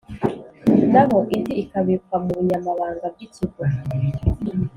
naho indi ikabikwa mu bunyamabanga bw’ikigo